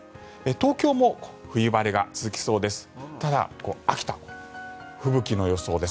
東京も冬晴れが続きそうです。